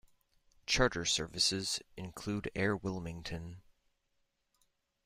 Charter services include Air Wilmington.